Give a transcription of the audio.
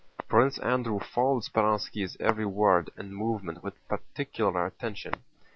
Prince Andrew followed Speránski's every word and movement with particular attention.